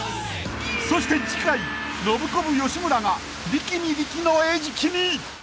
［そして次回ノブコブ吉村が力見力の餌食に！］